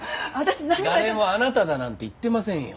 誰もあなただなんて言ってませんよ。